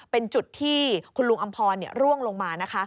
เป็นจุดที่คุณลุงอำพรร่วงลงมานะคะ